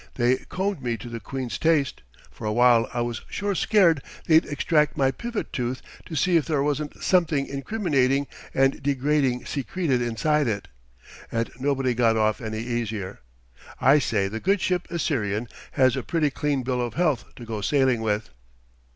They combed me to the Queen's taste; for a while I was sure scared they'd extract my pivot tooth to see if there wasn't something incriminating and degrading secreted inside it. And nobody got off any easier. I say the good ship Assyrian has a pretty clean bill of health to go sailing with."